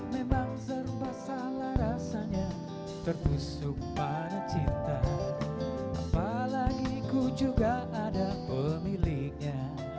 memang zarupa salah rasanya terbusuk pada cinta apalagi ku juga ada pemiliknya